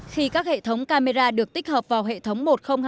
khi các hệ thống camera được tích hợp vào hệ thống một nghìn hai mươi hai